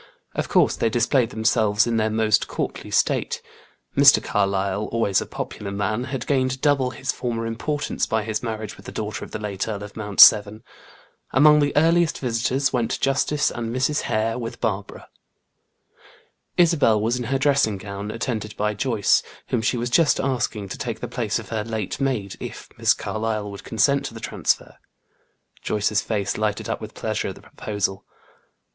Of course they displayed themselves in their most courtly state. Mr. Carlyle, always a popular man, had gained double his former importance by his marriage with the daughter of the late Earl of Mount Severn. Among the earliest visitors went Justice and Mrs. Hare, with Barbara. Isabel was in her dressing gown, attended by Joyce, whom she was just asking to take the place of her late maid, if Miss Carlyle would consent to the transfer. Joyce's face lighted up with pleasure at the proposal.